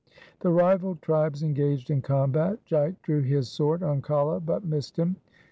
The rival tribes engaged in combat. Jait drew his sword on Kala but missed him.